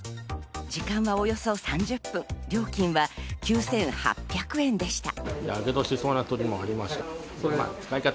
時間はおよそ３０分、料金は９８００円でした。